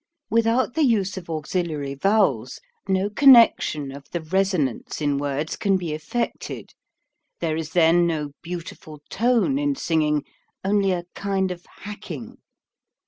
Without the use of auxiliary vowels no connection of the resonance in words can be effected; there is then no beautiful tone in singing, only a kind of hacking.